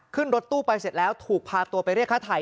ขึ้นรถตู้ไปเสร็จแล้วถูกพาตัวไปเรียกค่าถ่าย